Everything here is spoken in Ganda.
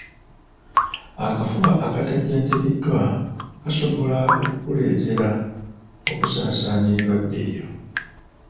Akafuba akatajjanjabiddwa kasobola okukuleetera okusaasaanya endwadde eyo.